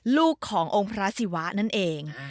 ลูกขององค์พระศิวะนั่นเอง